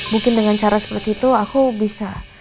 mungkin dengan cara seperti itu aku bisa